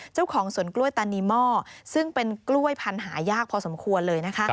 เจ้าของสวนกล้วยตานีหม้อซึ่งเป็นกล้วยพันธุ์หายากพอสมควรเลยนะคะ